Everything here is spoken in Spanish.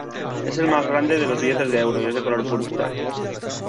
Es el más grande de los billetes de euro y es de color púrpura.